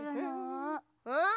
うん？